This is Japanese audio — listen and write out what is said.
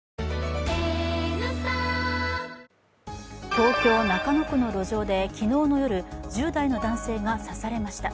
東京・中野区の路上で昨日の夜、１０代の男性が刺されました。